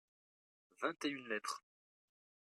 vingt et une lettres.